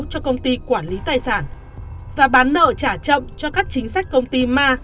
cho công ty quản lý tài sản và bán nợ trả chậm cho các chính sách công ty ma